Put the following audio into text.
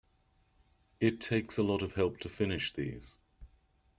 It takes a lot of help to finish these.